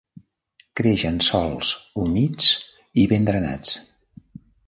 Creix en sòls humits i ben drenats.